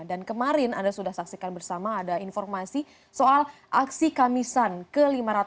dan kemarin anda sudah saksikan bersama ada informasi soal aksi kamisan ke lima ratus lima puluh dua